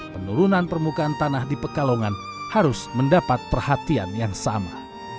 penurunan permukaan tanah di pekalongan harus mendapat perhatian yang sama